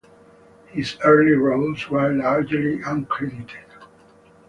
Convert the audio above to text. His early roles were largely uncredited.